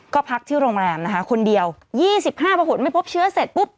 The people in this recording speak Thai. ก็พักที่โรงแรมคนเดียว๒๕ธันวาคมผลไม่พบเชื้อเสร็จปุ๊บ